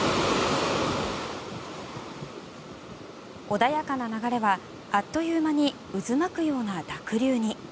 穏やかな流れはあっという間に渦巻くような濁流に。